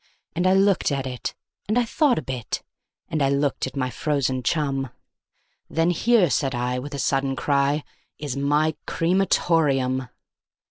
And I looked at it, and I thought a bit, and I looked at my frozen chum; Then "Here", said I, with a sudden cry, "is my cre ma tor eum."